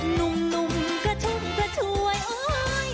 หนุ่มกระชุ่มกระชวยโอ๊ย